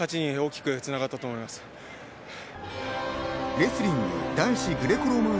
レスリング男子グレコローマン